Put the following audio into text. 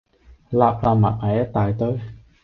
擸擸埋埋一大堆